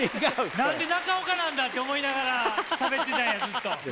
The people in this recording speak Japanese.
何で中岡なんだ？って思いながらしゃべってたんやずっと。